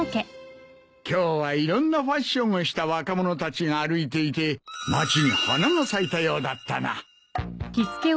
今日はいろんなファッションをした若者たちが歩いていて街に華が咲いたようだったな。